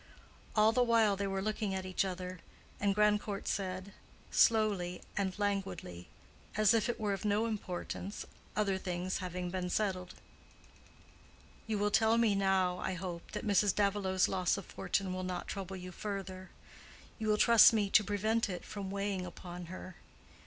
All the while they were looking at each other; and Grandcourt said, slowly and languidly, as if it were of no importance, other things having been settled, "You will tell me now, I hope, that Mrs. Davilow's loss of fortune will not trouble you further. You will trust me to prevent it from weighing upon her.